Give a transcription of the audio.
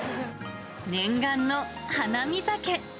念願の花見酒。